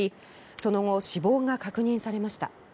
その後、死亡が確認されました。